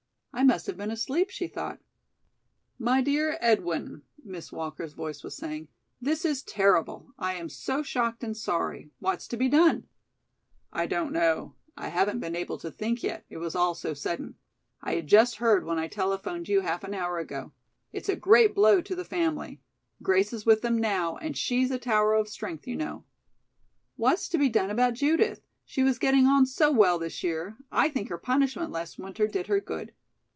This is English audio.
"I must have been asleep," she thought. "My dear Edwin," Miss Walker's voice was saying, "this is terrible. I am so shocked and sorry. What's to be done?" "I don't know. I haven't been able to think yet, it was all so sudden. I had just heard when I telephoned you half an hour ago. It's a great blow to the family. Grace is with them now, and she's a tower of strength, you know." "What's to be done about Judith? She was getting on so well this year. I think her punishment last winter did her good."